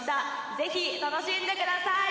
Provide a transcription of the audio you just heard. ぜひ楽しんでください！